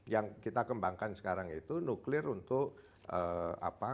yang kita kembangkan sekarang itu nuklir untuk apa